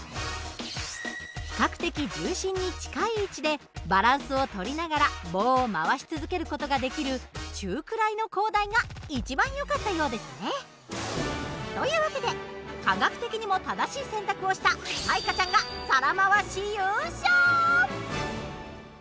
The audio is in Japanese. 比較的重心に近い位置でバランスを取りながら棒を回し続ける事ができる中くらいの高台が一番よかったようですね。という訳で科学的にも正しい選択をした彩加ちゃんが皿まわし優勝！